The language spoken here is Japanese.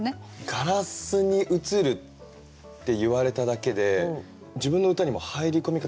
「ガラスに映る」って言われただけで自分の歌にも入り込み方